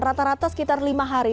rata rata sekitar lima hari